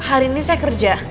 hari ini saya kerja